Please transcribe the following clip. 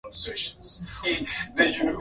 Kulishia mifugo katika maeneo yenye kupe wengi